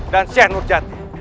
dan sheikh nurjati